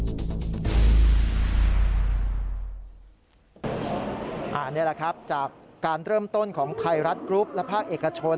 นี่แหละครับจากการเริ่มต้นของไทยรัฐกรุ๊ปและภาคเอกชน